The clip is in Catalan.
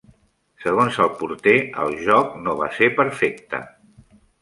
Segons el porter, el joc no va ser perfecte.